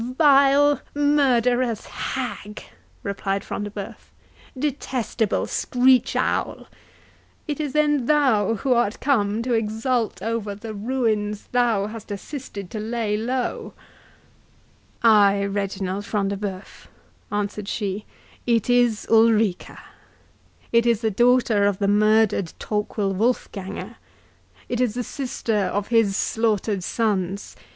"Vile murderous hag!" replied Front de Bœuf; "detestable screech owl! it is then thou who art come to exult over the ruins thou hast assisted to lay low?" "Ay, Reginald Front de Bœuf," answered she, "it is Ulrica!—it is the daughter of the murdered Torquil Wolfganger!—it is the sister of his slaughtered sons!